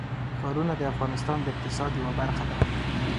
ښارونه د افغانستان د اقتصاد یوه برخه ده.